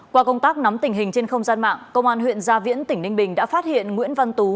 trong tình hình trên không gian mạng công an huyện gia viễn tỉnh ninh bình đã phát hiện nguyễn văn tú